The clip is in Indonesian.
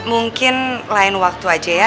mungkin lain waktu aja ya